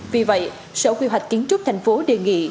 vì vậy sở quy hoạch kiến trúc tp hcm đề nghị